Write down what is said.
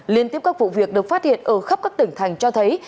liên tiếp các vụ việc được phát hiện ở khắp các tỉnh thành cho thấy